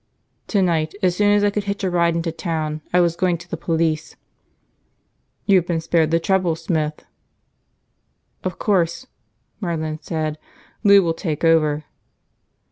"Tonight, as soon as I could hitch a ride into town, I was going to the police." "You've been spared the trouble, Smith." "Of course," Merlin said. "Lou will take over."